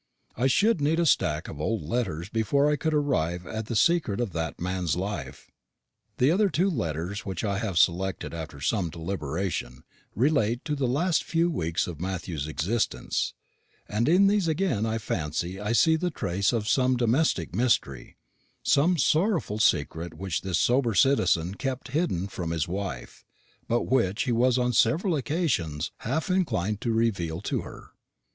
I should need a stack of old letters before I could arrive at the secret of that man's life. The two other letters, which I have selected after some deliberation, relate to the last few weeks of Matthew's existence; and in these again I fancy I see the trace of some domestic mystery, some sorrowful secret which this sober citizen kept hidden from his wife, but which he was on several occasions half inclined to reveal to her.